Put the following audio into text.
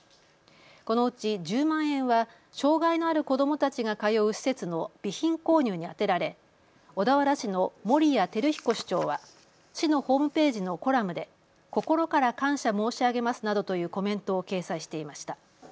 このうち１０万円は障害のある子どもたちが通う施設の備品購入に充てられ小田原市の守屋輝彦市長は市のホームページのコラムで心から感謝申し上げますなどというコメントを掲載していました。